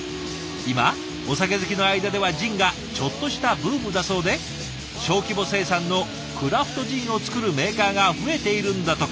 今お酒好きの間ではジンがちょっとしたブームだそうで小規模生産のクラフトジンを作るメーカーが増えているんだとか。